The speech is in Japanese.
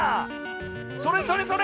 それそれそれ！